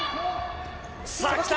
さあ、きた、